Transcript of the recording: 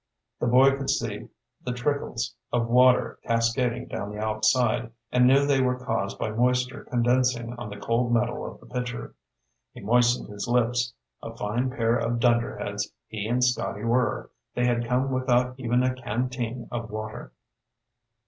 The boy could see the trickles of water cascading down the outside, and knew they were caused by moisture condensing on the cold metal of the pitcher. He moistened his lips. A fine pair of dunderheads, he and Scotty were. They had come without even a canteen of water.